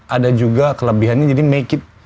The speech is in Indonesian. ada juga kelebihannya jadi make it